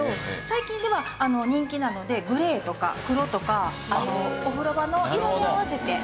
最近では人気なのでグレーとか黒とかお風呂場の色に合わせて。